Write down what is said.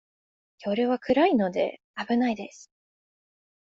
夜は暗いので、危ないです。